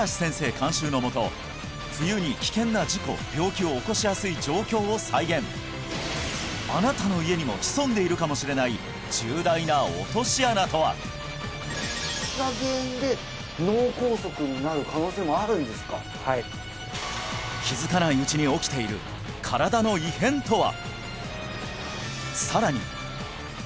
監修のもと冬に危険な事故・病気を起こしやすい状況を再現あなたの家にも潜んでいるかもしれないもあるんですか気づかないうちに起きている身体の異変とは？